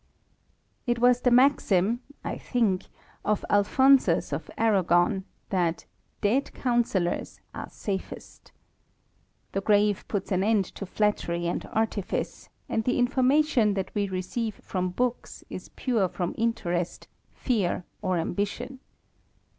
It was the maxim, I think, of Alphonsus of Arragon,* thatl dtad counseilors are safest The grave puts an end to flattery and artifice, and the.infcmiiltion that we r eceiv e from books ' B pmeJroill interest, fear, or ambitioQ.